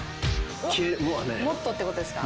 もっとってことですか？